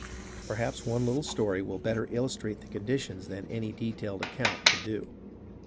Perhaps one little story will better illustrate the conditions than any detailed account could do.